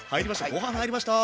ご飯入りました！